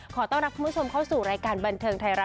ขอต้อนรับคุณผู้ชมเข้าสู่รายการบันเทิงไทยรัฐ